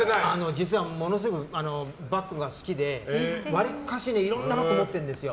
実はものすごくバッグが好きで割かしいろんなバッグ持ってるんですよ。